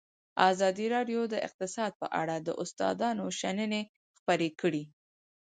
ازادي راډیو د اقتصاد په اړه د استادانو شننې خپرې کړي.